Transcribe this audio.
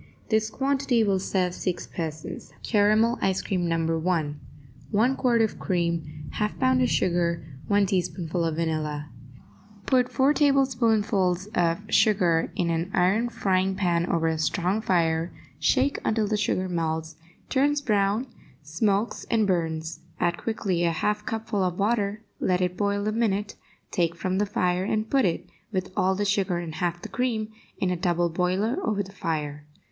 This quantity will serve six persons. CARAMEL ICE CREAM, No. 1 1 quart of cream 1/2 pound of sugar 1 teaspoonful of vanilla Put four tablespoonfuls of the sugar in an iron frying pan over a strong fire, shake until the sugar melts, turns brown, smokes and burns; add quickly a half cupful of water; let it boil a minute, take from the fire, and put it, with all the sugar and half the cream, in a double boiler over the fire.